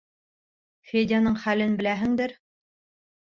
— Федяның хәлен беләһеңдер.